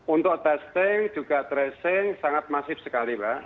untuk testing juga tracing sangat masif sekali pak